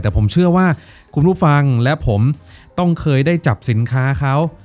แต่ผมเชื่อว่าคุณผู้ฟังและผมต้องเคยได้จับสินค้าเขา